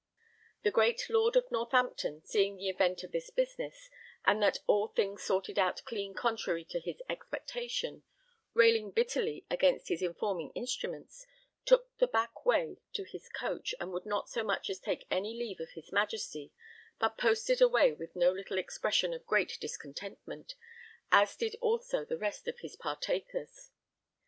The great Lord of Northampton, seeing the event of this business, and that all things sorted out clean contrary to his expectation, railing bitterly against his informing instruments, took the back way to his coach and would not so much as take any leave of his Majesty, but posted away with no little expression of great discontentment, as did also the rest of his partakers.